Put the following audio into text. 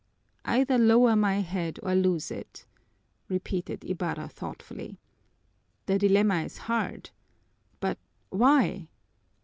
"Either lower my head or lose it!" repeated Ibarra thoughtfully. "The dilemma is hard! But why?